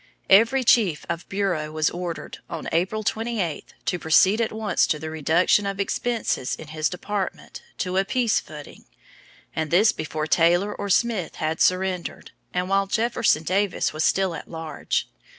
Every chief of bureau was ordered, on April 28, to proceed at once to the reduction of expenses in his department to a peace footing; and this before Taylor or Smith had surrendered, and while Jefferson Davis was still at large.